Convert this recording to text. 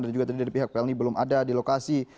dan juga tadi dari pihak plni belum ada di lokasi